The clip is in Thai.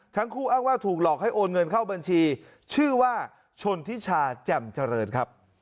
ทั้งคู่อ้างว่าถูกหลอกให้โอนเงินเข้าบัญชีชื่อว่าชนทิชาแจ่มเจริญครับ